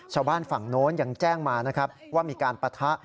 ชาวบ้านฝั่งโน้นยังแจ้งมานะครับว่ามีการปะทะ